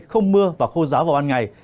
không mưa và khô giáo vào ban ngày